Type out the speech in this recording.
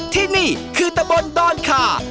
ที่นี่คือตะบนดอนคา